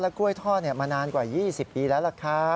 กล้วยทอดมานานกว่า๒๐ปีแล้วล่ะครับ